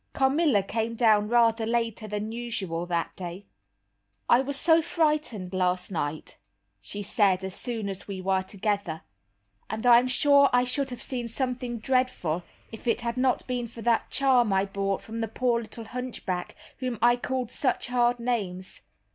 Carmilla came down rather later than usual that day. "I was so frightened last night," she said, so soon as were together, "and I am sure I should have seen something dreadful if it had not been for that charm I bought from the poor little hunchback whom I called such hard names.